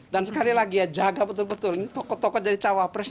dan sekali lagi ya jaga betul betul ini toko toko jadi calon presiden